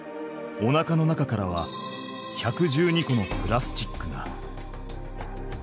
おなかの中からは１１２個のプラスチックが。